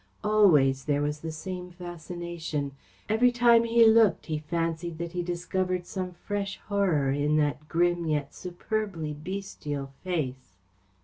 Always there was the same fascination. Every time he looked, he fancied that he discovered some fresh horror in that grim yet superbly bestial face.